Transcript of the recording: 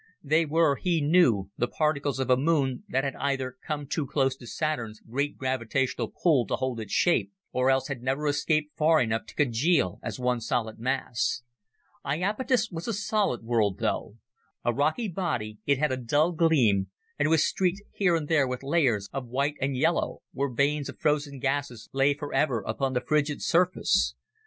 They were, he knew, the particles of a moon that had either come too close to Saturn's great gravitational pull to hold its shape, or else had never escaped far enough to congeal as one solid mass. Iapetus was a solid world, though. A rocky body, it had a dull gleam, and was streaked here and there with layers of white and yellow, where veins of frozen gases lay forever upon the frigid surface.